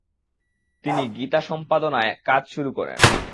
তিনি "গীতা" সম্পাদনায় কাজ শুরু করেন।